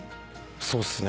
そうっすね。